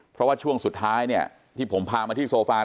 เพราะว่าช่วงสุดท้ายเนี่ยที่ผมพามาที่โซฟา